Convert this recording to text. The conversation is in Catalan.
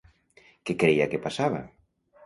Què creia que passava?